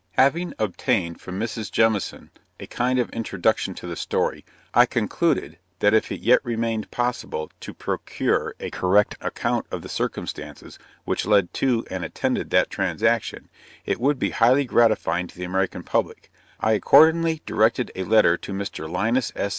Having obtained from Mrs. Jemison a kind of introduction to the story, I concluded that if it yet remained possible to procure a correct account of the circumstances which led to and attended that transaction, it would be highly gratifying to the American public, I accordingly directed a letter to Mr. Linus S.